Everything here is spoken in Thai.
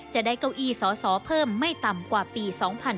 จะได้เก้าอี้สอสอเพิ่มไม่ต่ำกว่าปี๒๕๕๙